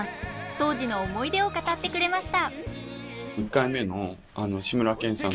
当時の思い出を語ってくれました。